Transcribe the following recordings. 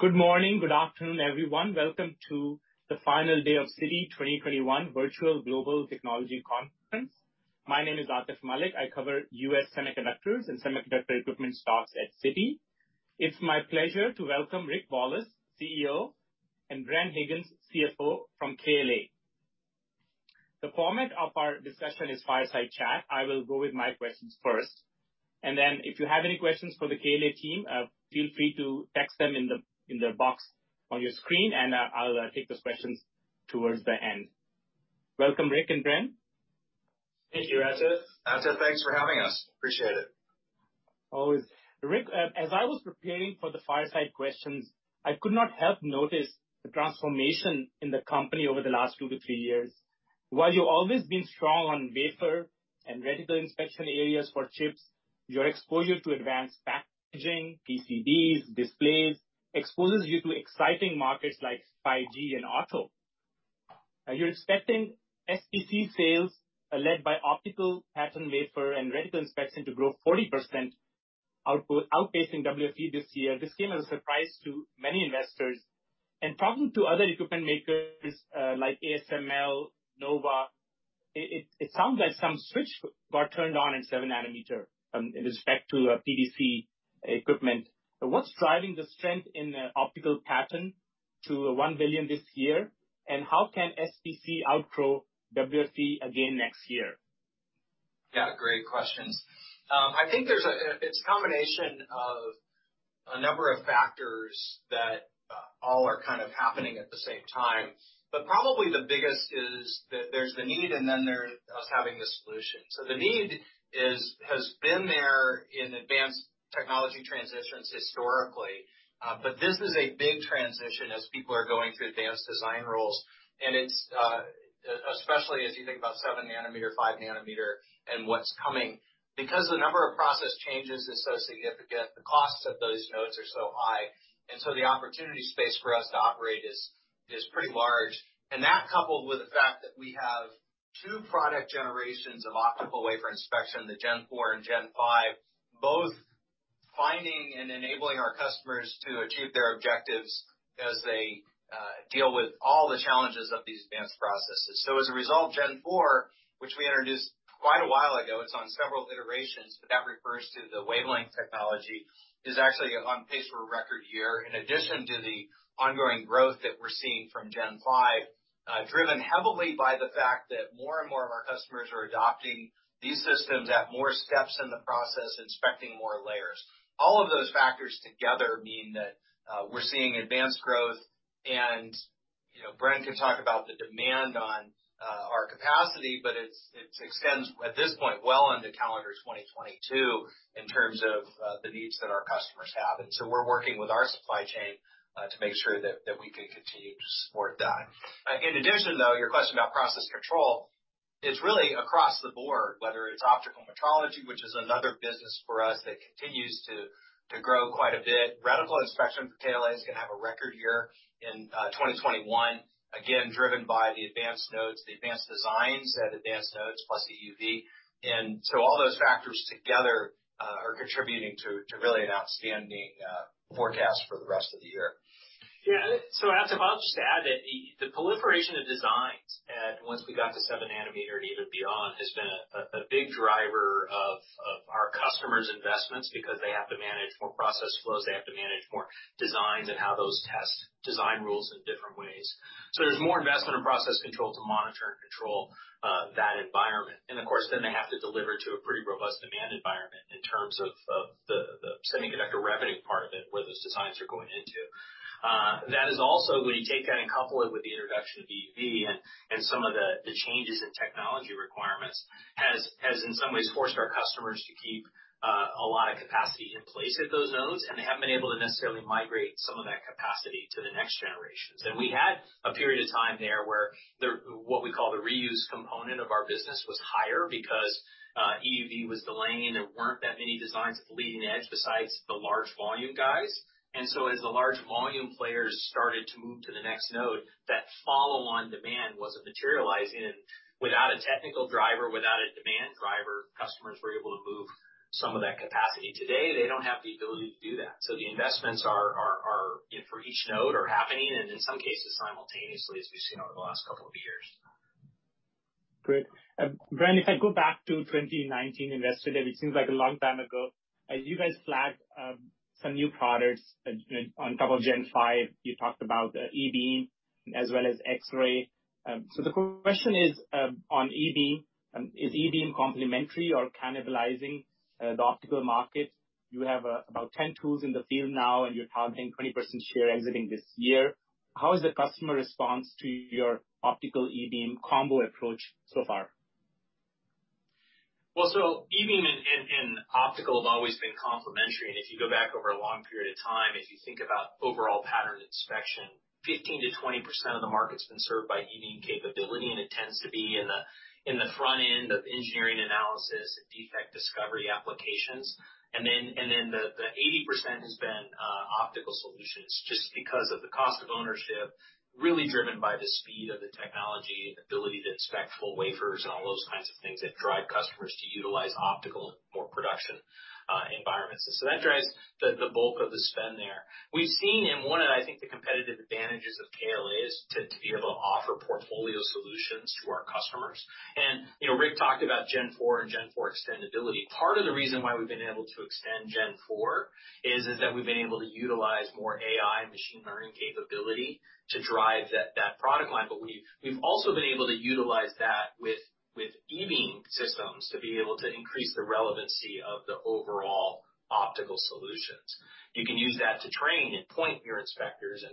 Good morning. Good afternoon, everyone. Welcome to the final day of Citi 2021 Global Technology Virtual Conference. My name is Atif Malik. I cover U.S. semiconductors and semiconductor equipment stocks at Citi. It's my pleasure to welcome Rick Wallace, CEO, and Bren Higgins, CFO, from KLA. The format of our discussion is fireside chat. I will go with my questions first. If you have any questions for the KLA team, feel free to text them in the box on your screen, and I'll take those questions towards the end. Welcome, Rick and Bren. Thank you, Atif. Atif, thanks for having us. Appreciate it. Always. Rick, as I was preparing for the fireside questions, I could not help notice the transformation in the company over the last two-three years. While you've always been strong on wafer and reticle inspection areas for chips, your exposure to advanced packaging, PCBs, displays, exposes you to exciting markets like 5G and auto. You're expecting SPC sales led by optical pattern wafer and reticle inspection to grow 40%, outpacing WFE this year. This came as a surprise to many investors. Talking to other equipment makers, like ASML, Nova, it sounds like some switch got turned on in 7 nm, in respect to PDC equipment. What's driving the strength in the optical pattern to $1 billion this year, and how can SPC outgrow WFE again next year? Great questions. I think it's a combination of a number of factors that all are kind of happening at the same time. Probably the biggest is that there's the need and then there's us having the solution. The need has been there in advanced technology transitions historically, but this is a big transition as people are going through advanced design roles. Especially as you think about 7 nm, 5 nm, and what's coming. The number of process changes is so significant, the costs of those nodes are so high, and so the opportunity space for us to operate is pretty large. That, coupled with the fact that we have two product generations of optical wafer inspection, the Gen4 and Gen5, both finding and enabling our customers to achieve their objectives as they deal with all the challenges of these advanced processes. As a result, Gen4, which we introduced quite a while ago, it's on several iterations, but that refers to the wavelength technology, is actually on pace for a record year, in addition to the ongoing growth that we're seeing from Gen5, driven heavily by the fact that more and more of our customers are adopting these systems at more steps in the process, inspecting more layers. All of those factors together mean that we're seeing advanced growth and Bren can talk about the demand on our capacity, but it extends at this point well into calendar 2022 in terms of the needs that our customers have. We're working with our supply chain, to make sure that we can continue to support that. In addition, though, your question about process control, it's really across the board, whether it's optical metrology, which is another business for us that continues to grow quite a bit. Reticle inspection for KLA is going to have a record year in 2021, again, driven by the advanced nodes, the advanced designs at advanced nodes, plus EUV. All those factors together are contributing to really an outstanding forecast for the rest of the year. Yeah. Atif, I'll just add that the proliferation of designs at once we got to 7 nm and even beyond, has been a big driver of our customers' investments because they have to manage more process flows, they have to manage more designs and how those tests design rules in different ways. There's more investment in process control to monitor and control that environment. Of course then they have to deliver to a pretty robust demand environment in terms of the semiconductor revenue part of it, where those designs are going into. That is also when you take that and couple it with the introduction of EUV and some of the changes in technology requirements, has in some ways forced our customers to keep a lot of capacity in place at those nodes and they haven't been able to necessarily migrate some of that capacity to the next generations. We had a period of time there where what we call the reuse component of our business was higher because EUV was delaying. There weren't that many designs at the leading edge besides the large volume guys. As the large volume players started to move to the next node, that follow-on demand wasn't materializing, and without a technical driver, without a demand driver, customers were able to move some of that capacity. Today, they don't have the ability to do that. The investments for each node are happening, and in some cases simultaneously, as we've seen over the last couple of years. Great. Bren, if I go back to 2019 Investor Day, which seems like a long time ago, as you guys flagged some new products on top of Gen5, you talked about E-beam as well as X-ray. The question is, on E-beam, is E-beam complementary or cannibalizing the optical market? You have about 10 tools in the field now, and you're targeting 20% share exiting this year. How is the customer response to your optical E-beam combo approach so far? E-beam and optical have always been complementary, and if you go back over a long period of time, if you think about overall pattern inspection, 15%-20% of the market's been served by E-beam capability, and it tends to be in the front end of engineering analysis and defect discovery applications. The 80% has been optical solutions just because of the cost of ownership, really driven by the speed of the technology, ability to inspect full wafers and all those kinds of things that drive customers to utilize optical for production environments. That drives the bulk of the spend there. We've seen in one of, I think, the competitive advantages of KLA is to be able to offer portfolio solutions to our customers. Rick talked about Gen4 and Gen4 extendibility. Part of the reason why we've been able to extend Gen4 is that we've been able to utilize more AI and machine learning capability to drive that product line. We've also been able to utilize that with E-beam systems to be able to increase the relevancy of the overall optical solutions. You can use that to train and point your inspectors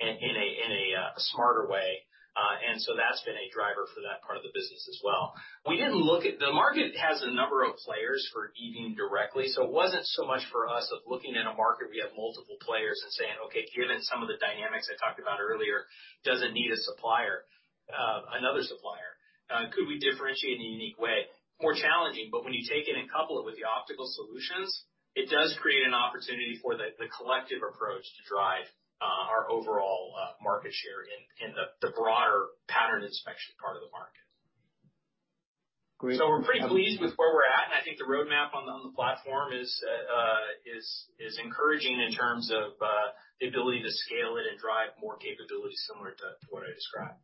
in a smarter way. That's been a driver for that part of the business as well. The market has a number of players for E-beam directly, so it wasn't so much for us of looking in a market we have multiple players and saying, "Okay, given some of the dynamics I talked about earlier, does it need another supplier? Could we differentiate in a unique way?" More challenging, when you take it and couple it with the optical solutions, it does create an opportunity for the collective approach to drive our overall market share in the broader pattern inspection part of the market. Great. We're pretty pleased with where we're at, and I think the roadmap on the platform is encouraging in terms of the ability to scale it and drive more capability similar to what I described.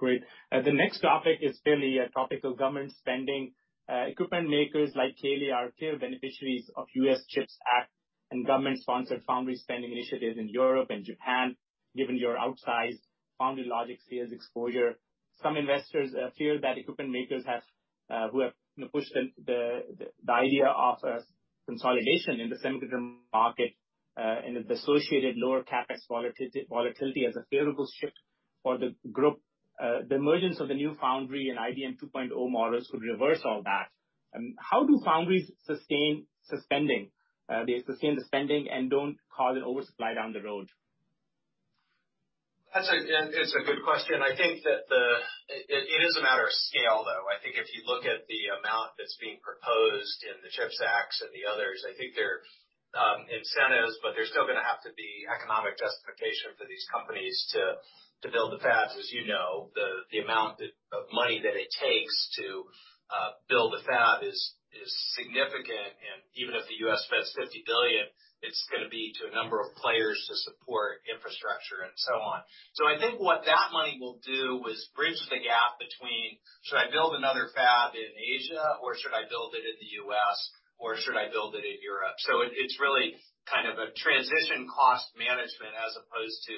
Great. The next topic is really a topic of government spending. Equipment makers like KLA are clear beneficiaries of U.S. CHIPS Act and government-sponsored foundry spending initiatives in Europe and Japan, given your outsized foundry logics sales exposure. Some investors fear that equipment makers who have pushed the idea of consolidation in the semiconductor market and the associated lower CapEx volatility as a favorable shift for the group. The emergence of the new foundry and IDM 2.0 models could reverse all that. How do foundries sustain the spending and don't cause an oversupply down the road? That's a good question. I think that it is a matter of scale, though. I think if you look at the amount that's being proposed in the CHIPS Acts and the others, I think there are incentives, there's still going to have to be economic justification for these companies to build the fabs. As you know, the amount of money that it takes to build a fab is significant. Even if the U.S. spends $50 billion, it's going to be to a number of players to support infrastructure and so on. I think what that money will do is bridge the gap between should I build another fab in Asia, or should I build it in the U.S., or should I build it in Europe? It's really kind of a transition cost management, as opposed to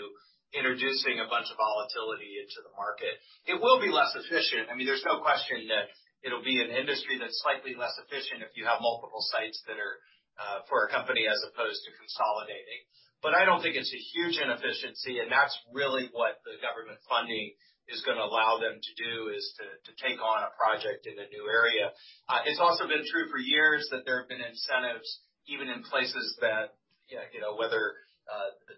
introducing a bunch of volatility into the market. It will be less efficient. There's no question that it'll be an industry that's slightly less efficient if you have multiple sites that are for a company as opposed to consolidating. I don't think it's a huge inefficiency, and that's really what the government funding is going to allow them to do, is to take on a project in a new area. It's also been true for years that there have been incentives, even in places that whether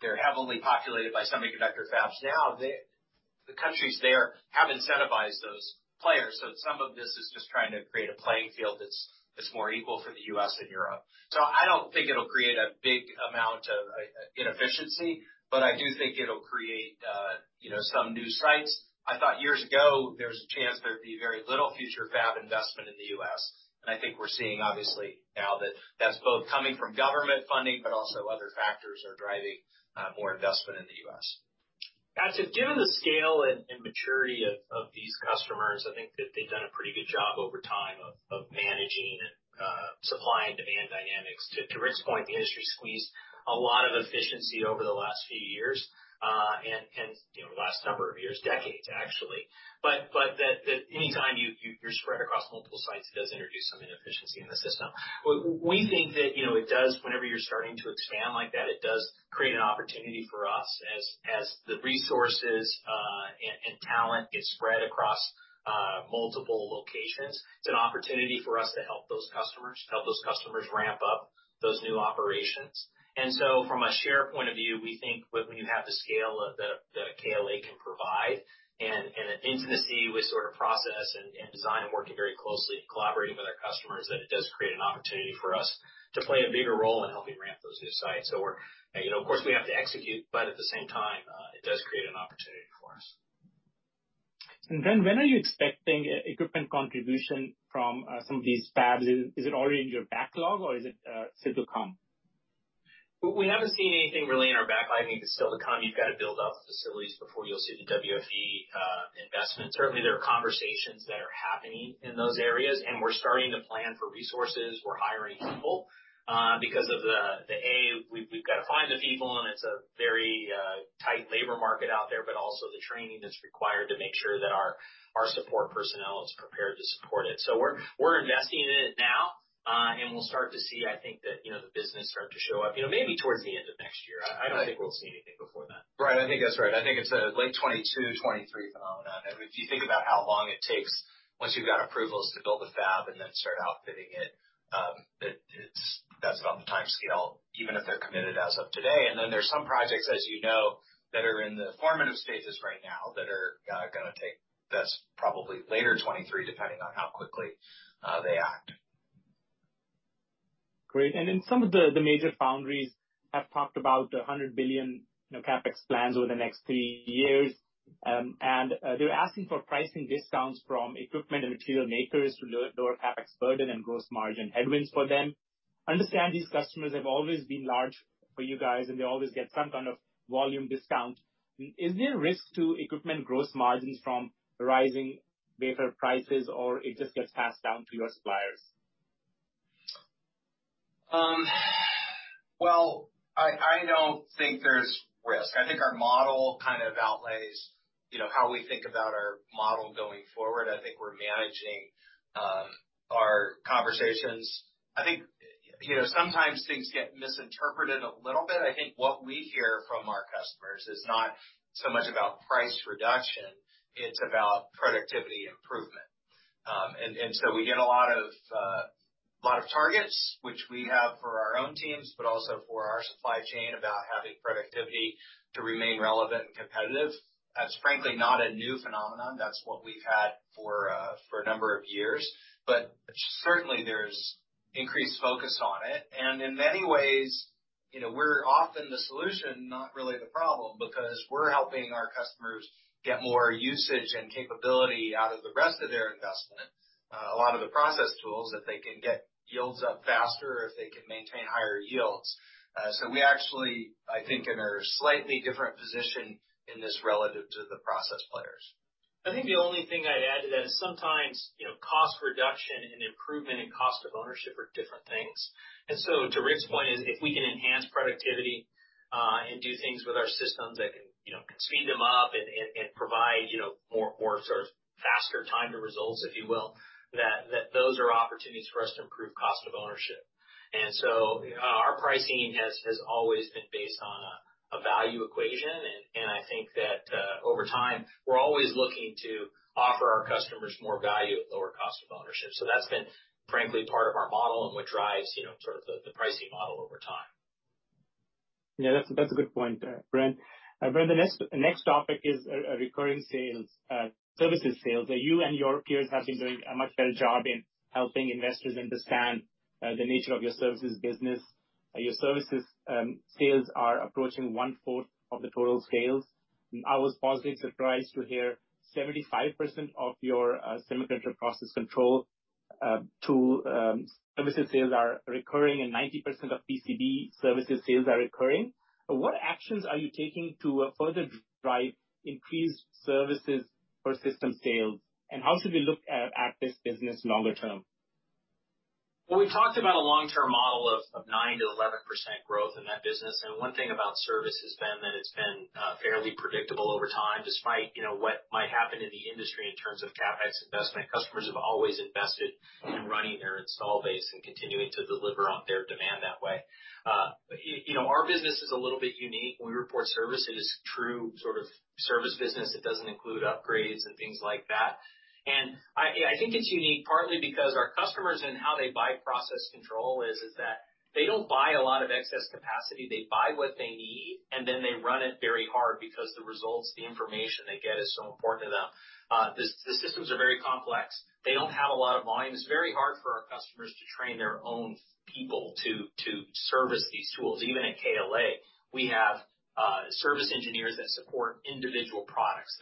they're heavily populated by semiconductor fabs now. The countries there have incentivized those players. Some of this is just trying to create a playing field that's more equal for the U.S. and Europe. I don't think it'll create a big amount of inefficiency, but I do think it'll create some new sites. I thought years ago, there's a chance there'd be very little future fab investment in the U.S. I think we're seeing, obviously, now that that's both coming from government funding, but also other factors are driving more investment in the U.S. Got to give the scale and maturity of these customers, I think that they've done a pretty good job over time of managing supply and demand dynamics. To Rick's point, the industry squeezed a lot of efficiency over the last few years, and last number of years, decades, actually. That anytime you're spread across multiple sites, it does introduce some inefficiency in the system. We think that it does, whenever you're starting to expand like that, it does create an opportunity for us as the resources and talent get spread across multiple locations. It's an opportunity for us to help those customers ramp up those new operations. From a share point of view, we think when you have the scale that a KLA can provide and an intimacy with sort of process and design and working very closely, collaborating with our customers, that it does create an opportunity for us to play a bigger role in helping ramp those new sites. Of course, we have to execute, but at the same time, it does create an opportunity for us. When are you expecting equipment contribution from some of these fabs? Is it already in your backlog or is it still to come? We haven't seen anything really in our backlog. I think it's still to come. You've got to build out the facilities before you'll see the WFE investment. Certainly, there are conversations that are happening in those areas, and we're starting to plan for resources. We're hiring people because we've got to find the people, and it's a very tight labor market out there, but also the training that's required to make sure that our support personnel is prepared to support it. We're investing in it now, and we'll start to see, I think that, the business start to show up, maybe towards the end of next year. I don't think we'll see anything before then. Right. I think that's right. I think it's a late 2022, 2023 phenomenon. If you think about how long it takes once you've got approvals to build a fab and then start outfitting it, that's about the timescale, even if they're committed as of today. There's some projects, as you know, that are in the formative stages right now that are going to take, that's probably later 2023, depending on how quickly they act. Great. Some of the major foundries have talked about $100 billion CapEx plans over the next three years, and they're asking for pricing discounts from equipment and material makers to lower CapEx burden and gross margin headwinds for them. Understand these customers have always been large for you guys, and they always get some kind of volume discount. Is there a risk to equipment gross margins from rising wafer prices, or it just gets passed down to your suppliers? Well, I don't think there's risk. I think our model kind of outlays how we think about our model going forward. I think we're managing our conversations. I think, sometimes things get misinterpreted a little bit. I think what we hear from our customers is not so much about price reduction, it's about productivity improvement. We get a lot of targets which we have for our own teams, but also for our supply chain about having productivity to remain relevant and competitive. That's frankly not a new phenomenon. That's what we've had for a number of years. Certainly, there's increased focus on it. In many ways, we're often the solution, not really the problem, because we're helping our customers get more usage and capability out of the rest of their investment. A lot of the process tools, if they can get yields up faster, if they can maintain higher yields. We actually, I think in a slightly different position in this relative to the process players. I think the only thing I'd add to that is sometimes, cost reduction and improvement in cost of ownership are different things. To Rick's point is if we can enhance productivity, and do things with our systems that can speed them up and provide more sort of faster time to results, if you will, that those are opportunities for us to improve cost of ownership. Our pricing has always been based on a value equation. I think that, over time, we're always looking to offer our customers more value at lower cost of ownership. That's been frankly part of our model and what drives sort of the pricing model over time. Yeah, that's a good point, Bren. Bren, the next topic is recurring services sales. You and your peers have been doing a much better job in helping investors understand the nature of your services business. Your services sales are approaching one-fourth of the total sales. I was positively surprised to hear 75% of your semiconductor process control tool services sales are recurring, and 90% of PCB services sales are recurring. What actions are you taking to further drive increased services for system sales, and how should we look at this business longer term? Well, we've talked about a long-term model of 9%-11% growth in that business, and one thing about service has been that it's been fairly predictable over time. Despite what might happen in the industry in terms of CapEx investment, customers have always invested in running their install base and continuing to deliver on their demand that way. Our business is a little bit unique. We report services through sort of service business that doesn't include upgrades and things like that. I think it's unique partly because our customers and how they buy process control is that they don't buy a lot of excess capacity. They buy what they need, and then they run it very hard because the results, the information they get is so important to them. The systems are very complex. They don't have a lot of volume. It's very hard for our customers to train their own people to service these tools. Even at KLA, we have service engineers that support individual products.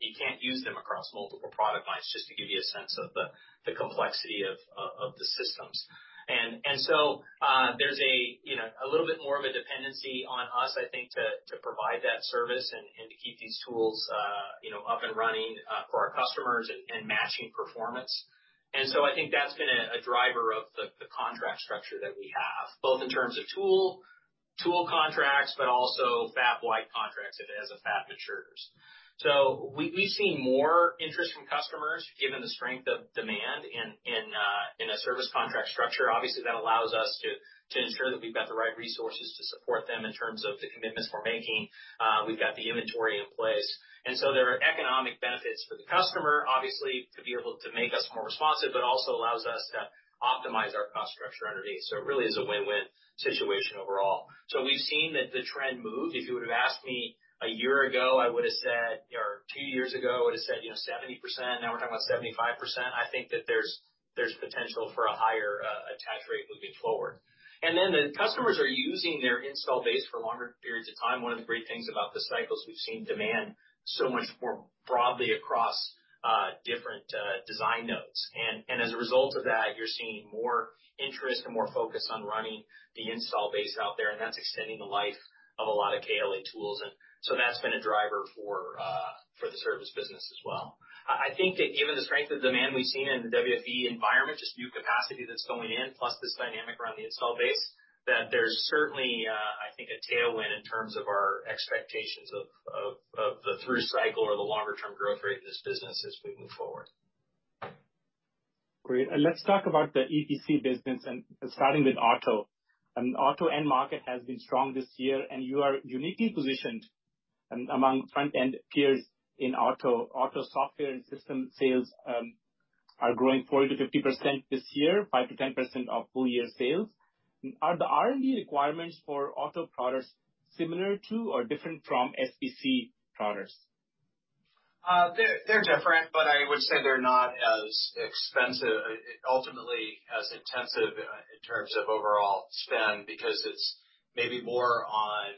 You can't use them across multiple product lines, just to give you a sense of the complexity of the systems. There's a little bit more of a dependency on us, I think, to provide that service and to keep these tools up and running for our customers and matching performance. I think that's been a driver of the contract structure that we have, both in terms of tool contracts, but also fab-wide contracts as a fab matures. We've seen more interest from customers, given the strength of demand in a service contract structure. Obviously, that allows us to ensure that we've got the right resources to support them in terms of the commitments we're making. We've got the inventory in place. There are economic benefits for the customer, obviously, to be able to make us more responsive, but also allows us to optimize our cost structure underneath. It really is a win-win situation overall. We've seen that the trend moved. If you would've asked me one year ago, I would've said, or two years ago, I would've said 70%. Now we're talking about 75%. I think that there's potential for a higher attach rate moving forward. The customers are using their install base for longer periods of time. One of the great things about the cycles, we've seen demand so much more broadly across different design nodes. As a result of that, you're seeing more interest and more focus on running the install base out there, and that's extending the life of a lot of KLA tools, and so that's been a driver for the service business as well. I think that given the strength of demand we've seen in the WFE environment, just new capacity that's going in, plus this dynamic around the install base, that there's certainly, I think, a tailwind in terms of our expectations of the through cycle or the longer-term growth rate in this business as we move forward. Great. Let's talk about the EPC business and starting with auto. Auto end market has been strong this year, and you are uniquely positioned among front-end peers in auto. Auto software and system sales are growing 40%-50% this year, 5%-10% of full-year sales. Are the R&D requirements for auto products similar to or different from SPC products? They're different, I would say they're not as expensive, ultimately as intensive in terms of overall spend, because it's maybe more on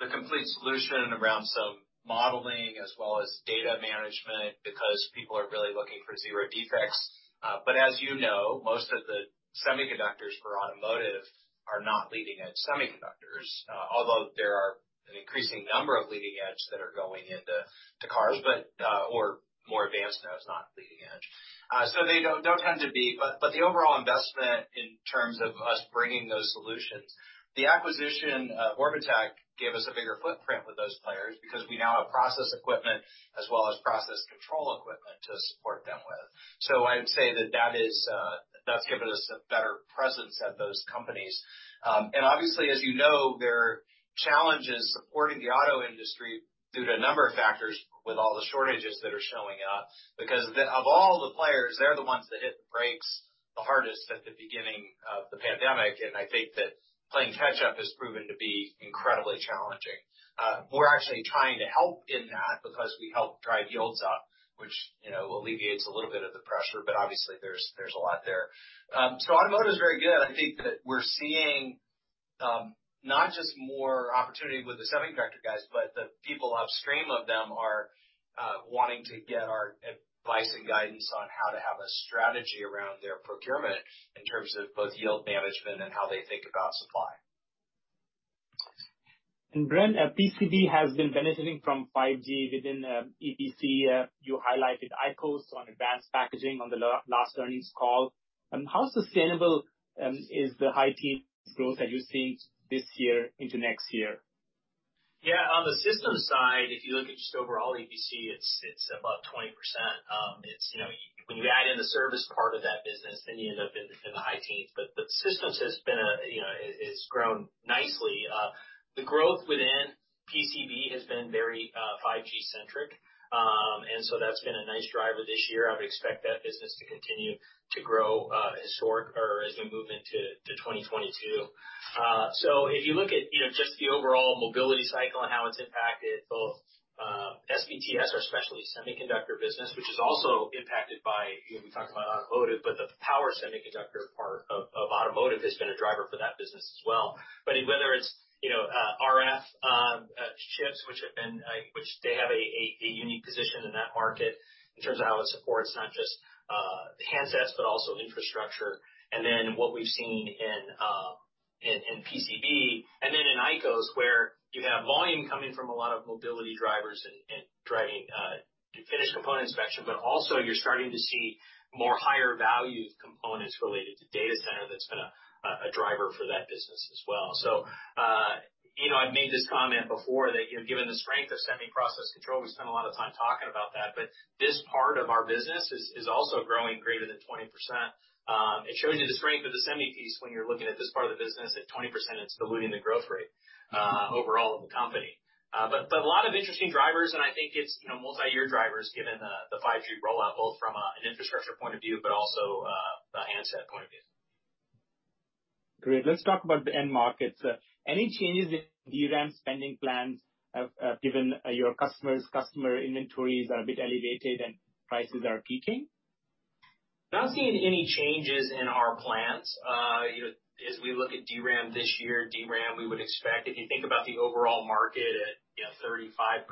the complete solution around some modeling as well as data management, because people are really looking for zero defects. As you know, most of the semiconductors for automotive are not leading-edge semiconductors. Although there are an increasing number of leading-edge that are going into cars, or more advanced, no, it's not leading-edge. They don't tend to be. The overall investment in terms of us bringing those solutions, the acquisition of Orbotech gave us a bigger footprint with those players because we now have process equipment as well as process control equipment to support them with. I'd say that that's given us a better presence at those companies. Obviously, as you know, there are challenges supporting the auto industry due to a number of factors with all the shortages that are showing up, because of all the players, they're the ones that hit the brakes the hardest at the beginning of the pandemic. I think that playing catch up has proven to be incredibly challenging. We're actually trying to help in that because we help drive yields up, which alleviates a little bit of the pressure, but obviously there's a lot there. Automotive is very good. I think that we're seeing, not just more opportunity with the semiconductor guys, but the people upstream of them are wanting to get our advice and guidance on how to have a strategy around their procurement in terms of both yield management and how they think about supply. Bren, PCB has been benefiting from 5G within EPC. You highlighted ICOS on advanced packaging on the last earnings call. How sustainable is the high teen growth that you're seeing this year into next year? Yeah, on the systems side, if you look at just overall EPC, it's about 20%. When you add in the service part of that business, you end up in the high teens. Systems has grown nicely. The growth within PCB has been very 5G centric. That's been a nice driver this year. I would expect that business to continue to grow as we move into 2022. If you look at just the overall mobility cycle and how it's impacted both SPTS, our specialty semiconductor business, which is also impacted by, we talked about automotive, but the power semiconductor part of automotive has been a driver for that business as well. Whether it's RF chips, which they have a unique position in that market in terms of how it supports not just handsets but also infrastructure. What we've seen in PCB, in ICOS, where you have volume coming from a lot of mobility drivers and driving finished component inspection. You're starting to see more higher value components related to data center that's been a driver for that business as well. I've made this comment before that given the strength of semi process control, we spend a lot of time talking about that. This part of our business is also growing greater than 20%. It shows you the strength of the semi piece when you're looking at this part of the business, at 20%, it's diluting the growth rate overall of the company. A lot of interesting drivers, and I think it's multi-year drivers given the 5G rollout, both from an infrastructure point of view, but also a handset point of view. Great. Let's talk about the end markets. Any changes in DRAM spending plans given your customer inventories are a bit elevated and prices are peaking? Not seeing any changes in our plans. We look at DRAM this year, DRAM, we would expect, if you think about the overall market at 35%+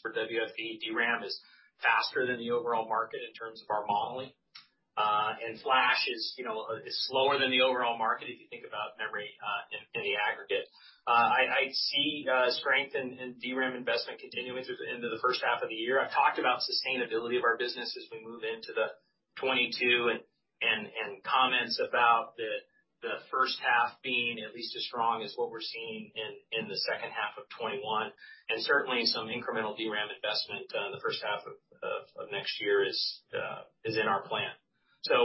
for WFE, DRAM is faster than the overall market in terms of our modeling. Flash is slower than the overall market if you think about memory in the aggregate. I see strength in DRAM investment continuing through into the first half of the year. I've talked about sustainability of our business as we move into the 2022, comments about the first half being at least as strong as what we're seeing in the second half of 2021, certainly some incremental DRAM investment in the first half of next year is in our plan.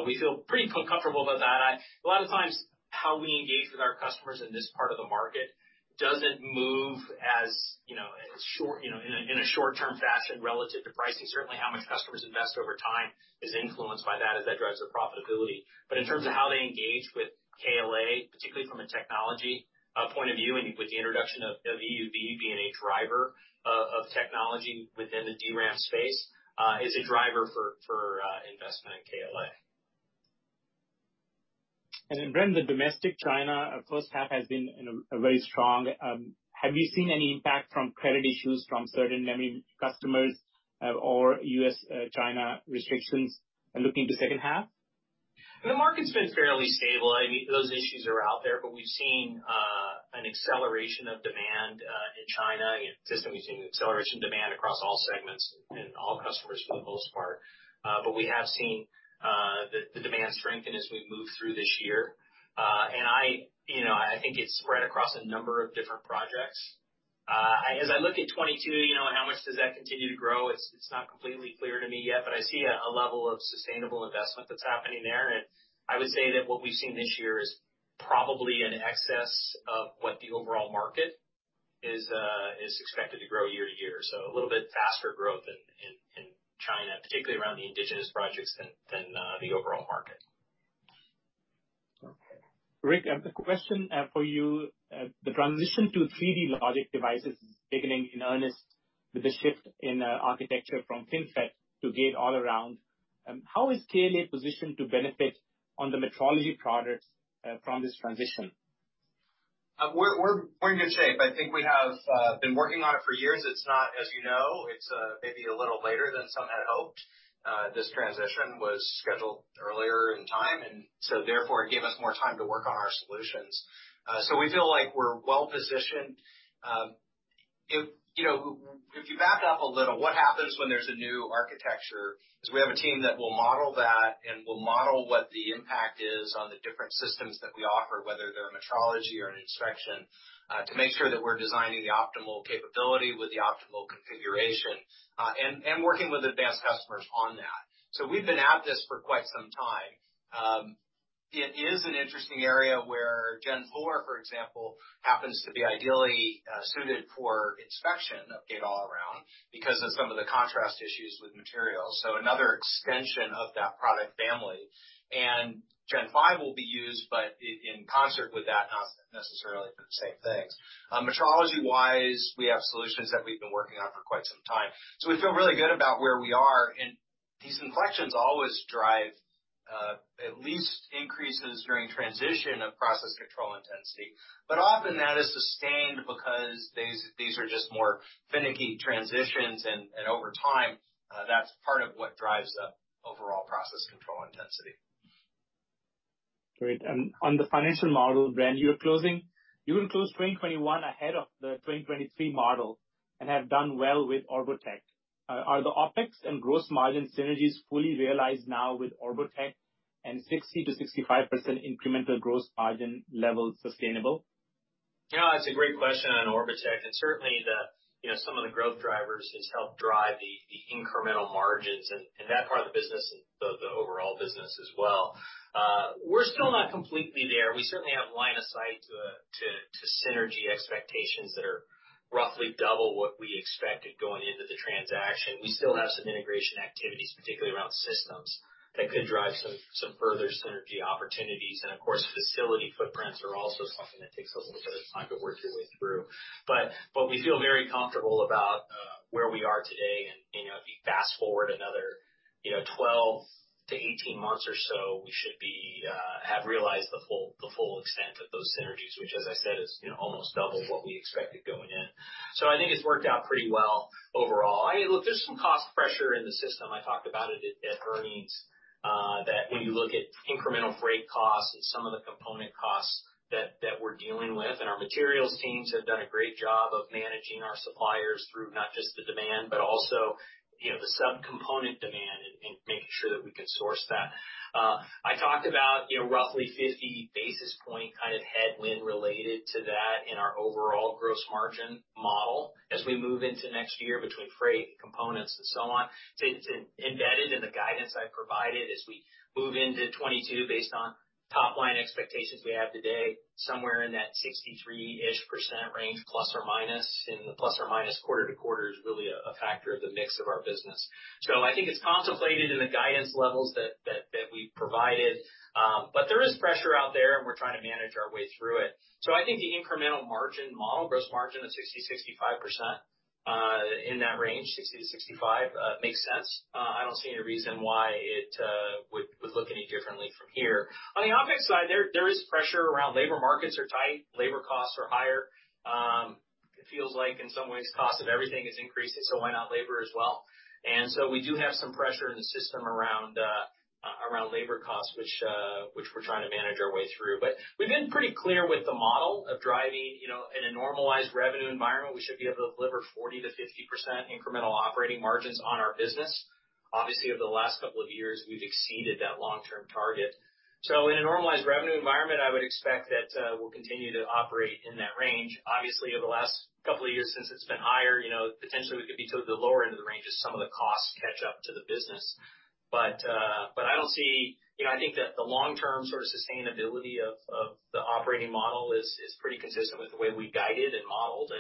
We feel pretty comfortable about that. A lot of times, how we engage with our customers in this part of the market doesn't move in a short-term fashion relative to pricing. Certainly, how much customers invest over time is influenced by that as that drives their profitability. In terms of how they engage with KLA, particularly from a technology point of view, and with the introduction of EUV being a driver of technology within the DRAM space, is a driver for investment in KLA. Bren, the domestic China first half has been very strong. Have you seen any impact from credit issues from certain memory customers or U.S. China restrictions looking to second half? The market's been fairly stable. Those issues are out there, but we've seen an acceleration of demand in China. We've seen acceleration demand across all segments and all customers for the most part. We have seen the demand strengthen as we move through this year. I think it's spread across a number of different projects. As I look at 2022, how much does that continue to grow? It's not completely clear to me yet, but I see a level of sustainable investment that's happening there. I would say that what we've seen this year is probably in excess of what the overall market is expected to grow year-to-year. A little bit faster growth in China, particularly around the indigenous projects than the overall market. Rick, I have a question for you. The transition to 3D logic devices is beginning in earnest with the shift in architecture from FinFET to Gate-all-around. How is KLA positioned to benefit on the metrology products from this transition? We're in good shape. I think we have been working on it for years. As you know, it's maybe a little later than some had hoped. This transition was scheduled earlier in time, therefore, it gave us more time to work on our solutions. We feel like we're well-positioned. If you back up a little, what happens when there's a new architecture, is we have a team that will model that and will model what the impact is on the different systems that we offer, whether they're metrology or an inspection, to make sure that we're designing the optimal capability with the optimal configuration, and working with advanced customers on that. We've been at this for quite some time. It is an interesting area where Gen4, for example, happens to be ideally suited for inspection of Gate-all-around because of some of the contrast issues with materials. Another extension of that product family. Gen5 will be used, but in concert with that, not necessarily for the same things. Metrology-wise, we have solutions that we've been working on for quite some time. We feel really good about where we are, and these inflections always drive at least increases during transition of process control intensity. Often that is sustained because these are just more finicky transitions, and over time, that's part of what drives the overall process control intensity. Great. On the financial model, Bren, you will close 2021 ahead of the 2023 model and have done well with Orbotech. Are the Opex and gross margin synergies fully realized now with Orbotech and 60%-65% incremental gross margin level sustainable? Yeah, that's a great question on Orbotech. Certainly, some of the growth drivers has helped drive the incremental margins and that part of the business, the overall business as well. We're still not completely there. We certainly have line of sight to synergy expectations that are roughly double what we expected going into the transaction. We still have some integration activities, particularly around systems, that could drive some further synergy opportunities. Of course, facility footprints are also something that takes a little bit of time to work your way through. We feel very comfortable about where we are today, and if you fast-forward another 12 to 18 months or so, we should have realized the full extent of those synergies, which, as I said, is almost double what we expected going in. I think it's worked out pretty well overall. There's some cost pressure in the system. I talked about it at earnings, that when you look at incremental freight costs and some of the component costs that we're dealing with, our materials teams have done a great job of managing our suppliers through not just the demand, but also the sub-component demand and making sure that we can source that. I talked about roughly 50 basis point kind of headwind related to that in our overall gross margin model as we move into next year between freight, components, and so on. It's embedded in the guidance I provided as we move into 2022 based on top line expectations we have today, somewhere in that 63-ish% range, ±, the ± quarter-to-quarter is really a factor of the mix of our business. I think it's contemplated in the guidance levels that we provided. There is pressure out there, and we're trying to manage our way through it. I think the incremental margin model, gross margin of 60%-65%, in that range, 60%-65%, makes sense. I don't see any reason why it would look any differently from here. On the OpEx side, there is pressure around labor markets are tight, labor costs are higher. It feels like in some ways cost of everything is increasing, so why not labor as well? We do have some pressure in the system around labor costs, which we're trying to manage our way through. We've been pretty clear with the model of driving in a normalized revenue environment, we should be able to deliver 40%-50% incremental operating margins on our business. Obviously, over the last couple of years, we've exceeded that long-term target. In a normalized revenue environment, I would expect that we'll continue to operate in that range. Obviously, over the last couple of years since it's been higher, potentially we could be toward the lower end of the range as some of the costs catch up to the business. I think that the long-term sort of sustainability of the operating model is pretty consistent with the way we guided and modeled,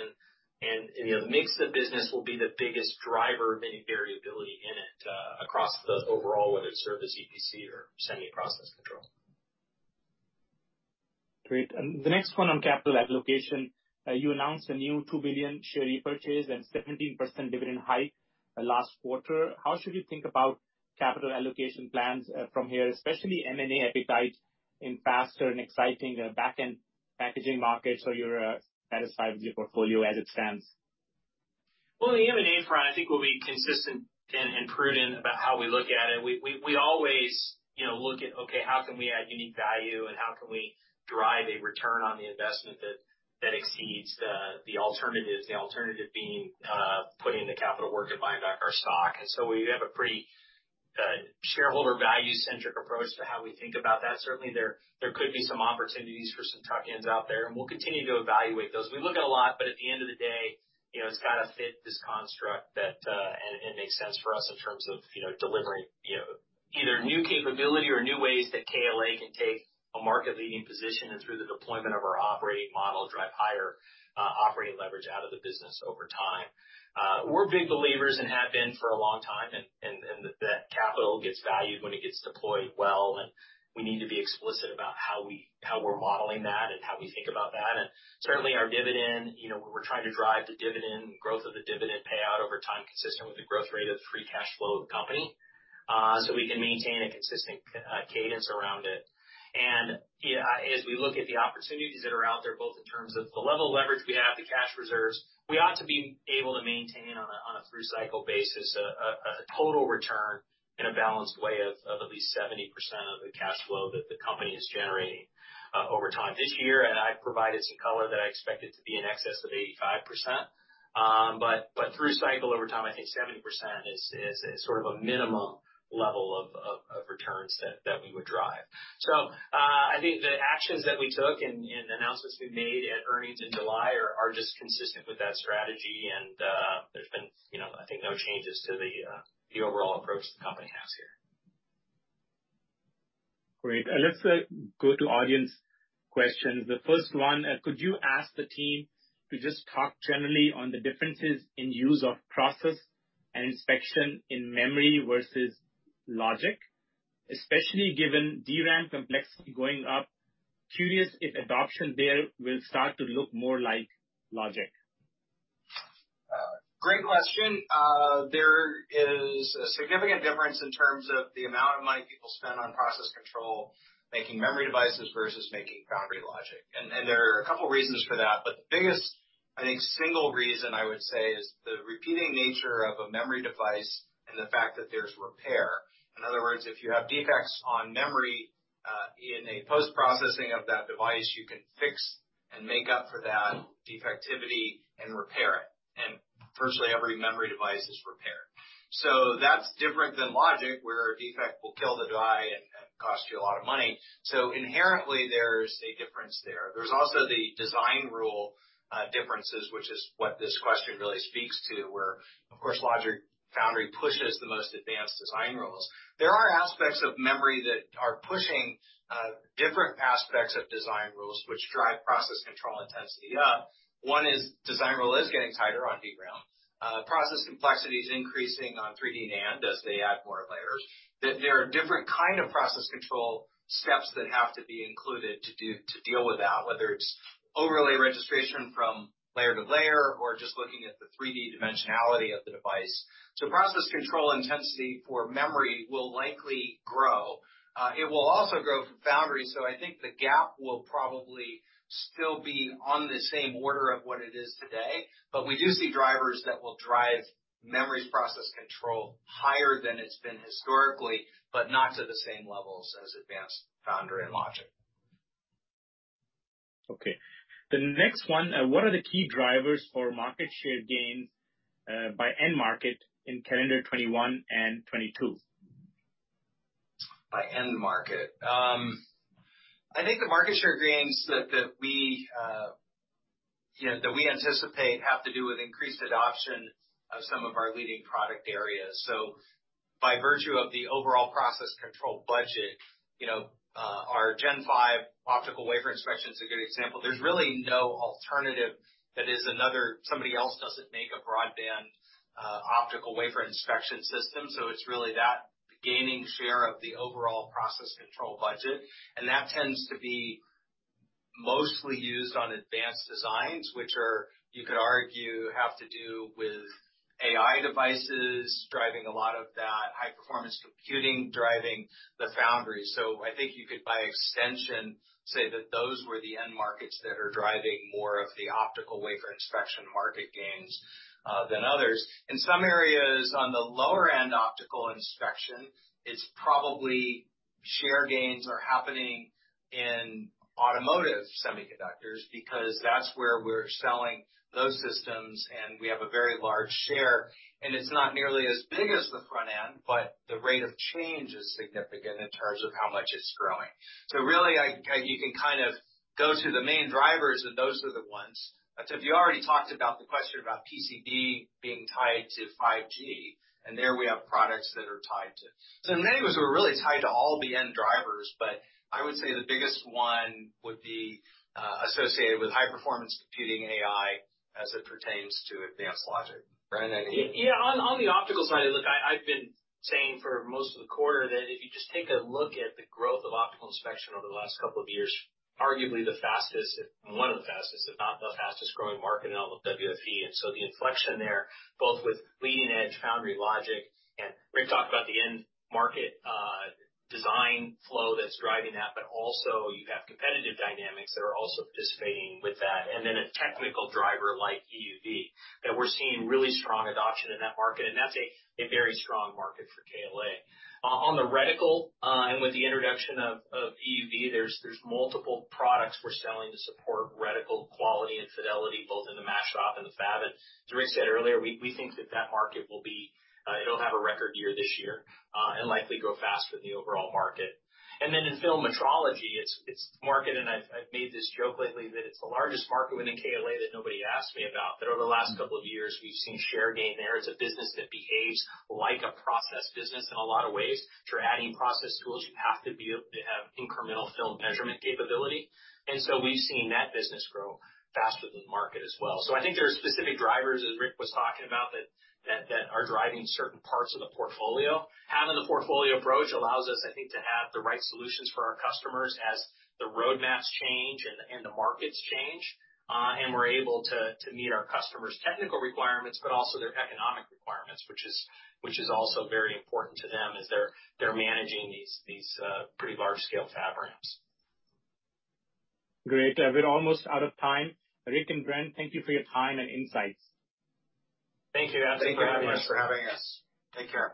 and the mix of business will be the biggest driver of any variability in it across the overall, whether it's service EPC or semi process control. Great. The next one on capital allocation. You announced a new $2 billion share repurchase and 17% dividend hike last quarter. How should we think about capital allocation plans from here, especially M&A appetite in faster and exciting back-end packaging markets, or you're satisfied with your portfolio as it stands? Well, on the M&A front, I think we'll be consistent and prudent about how we look at it. We always look at, okay, how can we add unique value and how can we drive a return on the investment that exceeds the alternatives? The alternative being putting the capital work and buying back our stock. We have a pretty shareholder-value-centric approach to how we think about that. Certainly, there could be some opportunities for some tuck-ins out there, and we'll continue to evaluate those. We look at a lot, but at the end of the day, it's got to fit this construct, and it makes sense for us in terms of delivering either new capability or new ways that KLA can take a market-leading position in the deployment of our operating model drive higher operating leverage out of the business over time. We're big believers and have been for a long time. That capital gets valued when it gets deployed well. We need to be explicit about how we're modeling that and how we think about that. Certainly, our dividend, we're trying to drive the growth of the dividend payout over time, consistent with the growth rate of free cash flow of the company. We can maintain a consistent cadence around it. As we look at the opportunities that are out there, both in terms of the level of leverage we have, the cash reserves, we ought to be able to maintain, on a through-cycle basis, a total return in a balanced way of at least 70% of the cash flow that the company is generating over time. This year, I've provided some color that I expect it to be in excess of 85%. Through cycle, over time, I think 70% is sort of a minimum level of returns that we would drive. I think the actions that we took and the announcements we made at earnings in July are just consistent with that strategy, and there's been, I think, no changes to the overall approach the company has here. Great. Let's go to audience questions. The first one, could you ask the team to just talk generally on the differences in use of process and inspection in memory versus logic? Especially given DRAM complexity going up, curious if adoption there will start to look more like logic. Great question. There is a significant difference in terms of the amount of money people spend on process control, making memory devices versus making foundry logic. There are a couple of reasons for that, the biggest, I think, single reason, I would say, is the repeating nature of a memory device and the fact that there's repair. In other words, if you have defects on memory, in a post-processing of that device, you can fix and make up for that defectivity and repair it. Virtually every memory device is repaired. That's different than logic, where a defect will kill the die and cost you a lot of money. Inherently, there's a difference there. There's also the design rule differences, which is what this question really speaks to, where, of course, logic foundry pushes the most advanced design rules. There are aspects of memory that are pushing different aspects of design rules which drive process control intensity up. One is design rule is getting tighter on DRAM. Process complexity is increasing on 3D NAND as they add more layers. There are different kind of process control steps that have to be included to deal with that, whether it's overlay registration from layer to layer or just looking at the 3D dimensionality of the device. Process control intensity for memory will likely grow. It will also grow for foundries, I think the gap will probably still be on the same order of what it is today. We do see drivers that will drive memory process control higher than it's been historically, but not to the same levels as advanced foundry and logic. Okay. The next one, what are the key drivers for market share gains by end market in calendar 2021 and 2022? By end market. I think the market share gains that we anticipate have to do with increased adoption of some of our leading product areas. By virtue of the overall process control budget, our Gen5 optical wafer inspection is a good example. There's really no alternative that somebody else doesn't make a broadband optical wafer inspection system, so it's really that gaining share of the overall process control budget, and that tends to be mostly used on advanced designs, which are, you could argue, have to do with AI devices driving a lot of that high-performance computing, driving the foundry. I think you could, by extension, say that those were the end markets that are driving more of the optical wafer inspection market gains than others. In some areas on the lower-end optical inspection, it's probably share gains are happening in automotive semiconductors, because that's where we're selling those systems, and we have a very large share. It's not nearly as big as the front end, but the rate of change is significant in terms of how much it's growing. Really, you can kind of go to the main drivers, and those are the ones. We already talked about the question about PCB being tied to 5G, and there we have products that are tied to. In many ways, we're really tied to all the end drivers, but I would say the biggest one would be associated with high-performance computing AI as it pertains to advanced logic. Bren, anything? On the optical side, look, I've been saying for most of the quarter that if you just take a look at the growth of optical inspection over the last couple of years, arguably the fastest, one of the fastest, if not the fastest-growing market in all of WFE. The inflection there, both with leading-edge foundry logic, and we've talked about the end market design flow that's driving that, but also you have competitive dynamics that are also participating with that. Then a technical driver like EUV, that we're seeing really strong adoption in that market, and that's a very strong market for KLA. On the reticle, and with the introduction of EUV, there's multiple products we're selling to support reticle quality and fidelity, both in the mask shop and the fab. As Rick said earlier, we think that market, it will have a record year this year and likely grow faster than the overall market. Then in film metrology, it is the market, and I have made this joke lately that it is the largest market within KLA that nobody asks me about. Over the last couple of years, we have seen share gain there as a business that behaves like a process business in a lot of ways. If you are adding process tools, you have to be able to have incremental film measurement capability. So we have seen that business grow faster than the market as well. I think there are specific drivers, as Rick was talking about, that are driving certain parts of the portfolio. Having the portfolio approach allows us, I think, to have the right solutions for our customers as the roadmaps change and the markets change. We're able to meet our customers' technical requirements, but also their economic requirements, which is also very important to them as they're managing these pretty large-scale fab ramps. Great. We're almost out of time. Rick and Bren, thank you for your time and insights. Thank you. Thank you very much for having us. Take care.